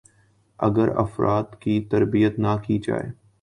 ا گر افراد کی تربیت نہ کی جائے